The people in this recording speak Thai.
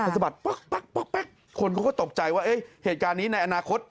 สะบัดป๊อกคนเขาก็ตกใจว่าเหตุการณ์นี้ในอนาคต